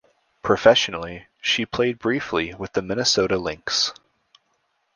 Professionally she played briefly with the Minnesota Lynx.